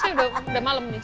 udah malem nih